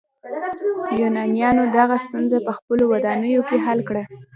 یونانیانو دغه ستونزه په خپلو ودانیو کې حل کړه.